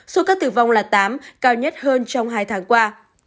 số ca tử vong là tám cao nhất hơn trong hai tháng qua